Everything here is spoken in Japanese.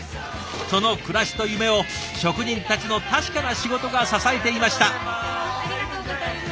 その暮らしと夢を職人たちの確かな仕事が支えていました。